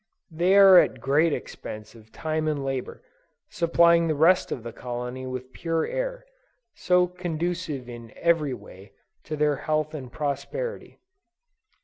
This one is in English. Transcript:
They are at great expense of time and labor, supplying the rest of the colony with pure air, so conducive in every way, to their health and prosperity.